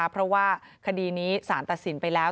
เพราะว่าคดีนี้สารตัดสินไปแล้ว